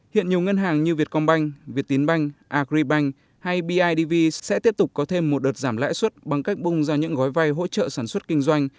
hiện nhiều ngân hàng như việt công banh việt tín banh agribank hay bidv sẽ tiếp tục có thêm một đợt giảm lãi suất bằng cách bung ra những gói vay hỗ trợ sản xuất kinh doanh